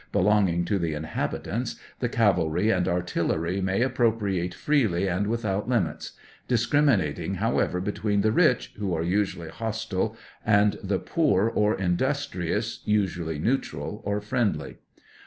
belonging to the inhabitants, the cavalry and artillery may appro priate freely and without limits; discriminating, how ever, between the rich, who are usually hostile, and the poor or industrious, usually neutral or friendly.